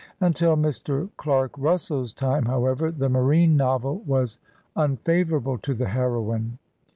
Until Mr. Clark Russell's time, how ever, the marine novel was unfavorable to the heroine.